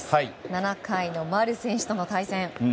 ７回の丸選手との対戦。